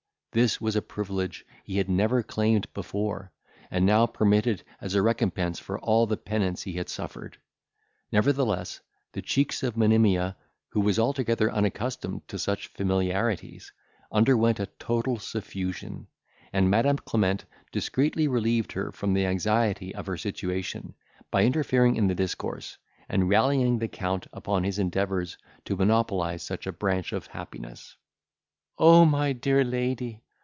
This was a privilege he had never claimed before, and now permitted as a recompense for all the penance he had suffered. Nevertheless, the cheeks of Monimia, who was altogether unaccustomed to such familiarities, underwent a total suffusion; and Madam Clement discreetly relieved her from the anxiety of her situation, by interfering in the discourse, and rallying the Count upon his endeavours to monopolise such a branch of happiness. "O my dear lady!"